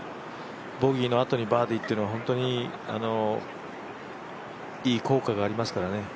ボギーのあとにバーディーっていうのは本当にいい効果がありますからね。